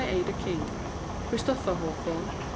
ADA KING Christopher Hawthorn